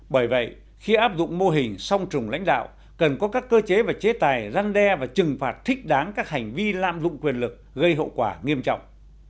bởi vậy khi áp dụng mô hình song trùng lãnh đạo cần có các cơ chế và chế tài răn đe và trừng phạt thích đáng các hành vi lạm dụng quyền lực gây hậu quả nghiêm trọng